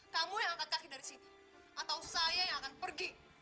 kamu yang angkat kaki dari sini atau saya yang akan pergi